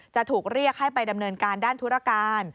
จะถูกเรียกให้ไปดำเนินการด้านธุรการ